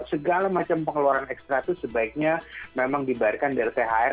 segala macam pengeluaran ekstra itu sebaiknya memang dibayarkan dari thr